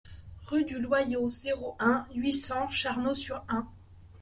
Rue du Loyat, zéro un, huit cents Charnoz-sur-Ain